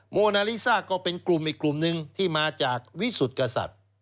โมนาลิซ่าก็เป็นกลุ่มอีกกลุ่มหนึ่งที่มาจากวิสุทธิ์กษัตริย์